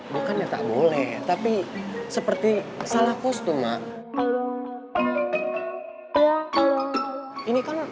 bukannya tak boleh tapi seperti salah kostum mak